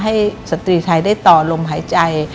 ให้สตรีไทยได้ต่อลมหายใจ